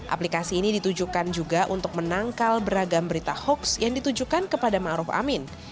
aplikasi ini ditujukan juga untuk menangkal beragam berita hoaks yang ditujukan kepada ma'ruf amin